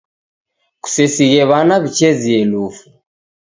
Kusesighe w'ana w'ichezie lufu.